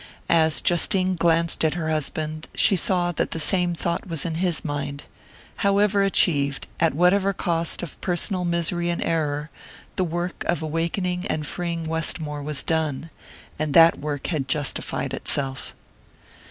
As Justine glanced at her husband she saw that the same thought was in his mind. However achieved, at whatever cost of personal misery and error, the work of awakening and freeing Westmore was done, and that work had justified itself.